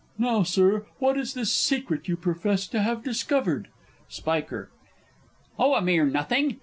_) Now, Sir, what is this secret you profess to have discovered? Spiker. Oh, a mere nothing.